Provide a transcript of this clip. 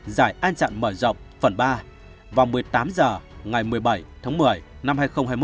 giải an dặn mở rộng phần ba vào một mươi tám h ngày một mươi bảy tháng một mươi năm hai nghìn hai mươi một